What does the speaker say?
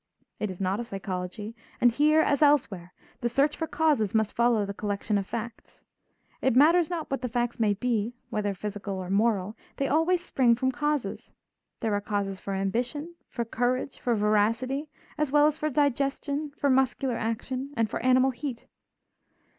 It is not a psychology, and here, as elsewhere, the search for causes must follow the collection of facts. It matters not what the facts may be, whether physical or moral, they always spring from causes; there are causes for ambition, for courage, for veracity, as well as for digestion, for muscular action, and for animal heat.